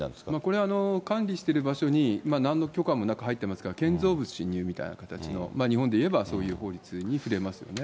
これは管理している場所になんの許可もなく入ってますから、建造物侵入みたいな形の、日本でいえばそういう法律に触れますよね。